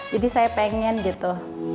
jadi saya pengen gitu